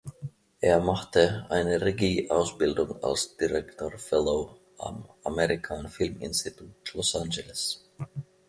Er machte eine Regie-Ausbildung als Director Fellow am American Film Institute, Los Angeles.